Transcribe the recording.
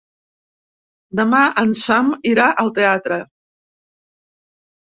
Demà en Sam irà al teatre.